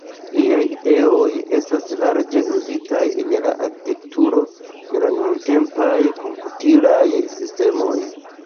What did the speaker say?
Liaj ideoj estas larĝe uzitaj en la arkitekturo de la nuntempaj komputilaj sistemoj.